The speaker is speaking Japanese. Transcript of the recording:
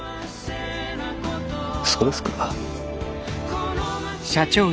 そうですか。